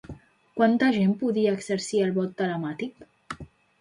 Quanta gent podia exercir el vot telemàtic?